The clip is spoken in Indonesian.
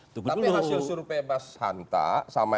tapi hasil suruh pebas hanta sama lsi